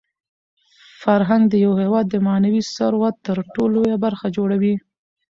فرهنګ د یو هېواد د معنوي ثروت تر ټولو لویه برخه جوړوي.